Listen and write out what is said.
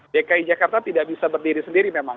dki jakarta tidak bisa berdiri sendiri memang